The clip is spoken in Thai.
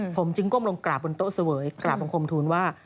ผมจึงก้มลงกราบบนโต๊ะเสวยกราบบังคมทูลว่า